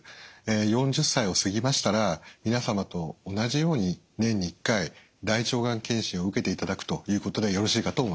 ４０歳を過ぎましたら皆様と同じように年に１回大腸がん検診を受けていただくということでよろしいかと思います。